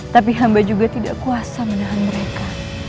tapi hamba juga tidak kuasa menahan mereka